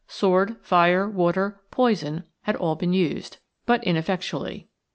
Sword, fire, water, poison, had all been used, but ineffectually.